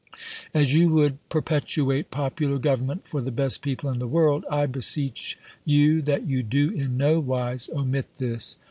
As you would perpetuate popular government for the best people in the world, I beseech you that you do in no wise omit this.